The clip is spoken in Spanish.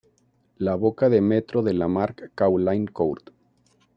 La boca de metro de Lamarck-Caulaincourt.